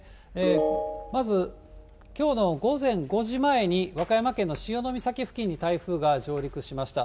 まず、きょうの午前５時前に和歌山県の潮岬付近に台風が上陸しました。